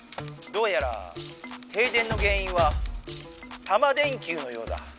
どうやら停電の原因は「タマ電Ｑ」のようだ。